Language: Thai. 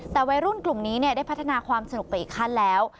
แต่วัยรุ่นกลุ่มนี้ได้พัฒนาความสนุกไปอีกขั้นแล้ว